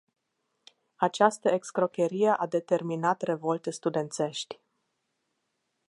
Această excrocherie a determinat revolte studențești.